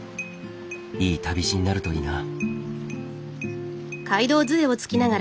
いい旅路になるといいな。